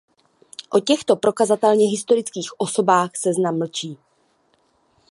O těchto prokazatelně historických osobách Seznam mlčí.